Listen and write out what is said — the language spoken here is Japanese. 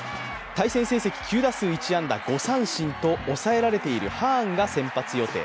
対戦成績９打数１安打５三振と抑えられているハーンが先発予定。